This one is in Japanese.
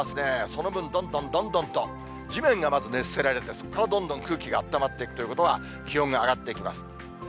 その分、どんどんどんどんと、地面がまず熱せられて、そこからどんどん空気があったまっていくということは、気温が上がってきます。